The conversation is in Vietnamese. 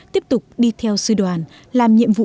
tiếp tục đi theo sư đoàn làm nhiệm vụ